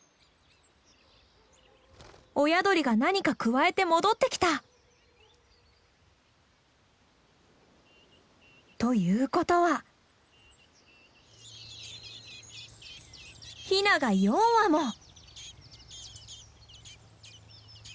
親鳥が何かくわえて戻ってきた！ということはヒナが４羽も！